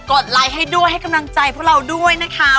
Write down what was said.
ดไลค์ให้ด้วยให้กำลังใจพวกเราด้วยนะคะ